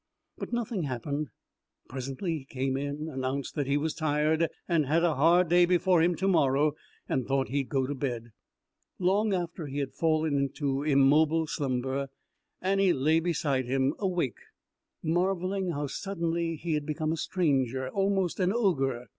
But nothing happened. Presently he came in, announced that he was tired and had a hard day before him to morrow, and thought he'd go to bed. Long after he had fallen into immobile slumber Annie lay beside him, awake, marvelling how suddenly he had become a stranger, almost an ogre.